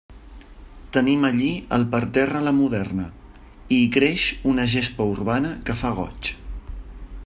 Tenim allí el parterre a la moderna, i hi creix una gespa urbana que fa goig.